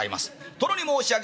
殿に申し上げます」。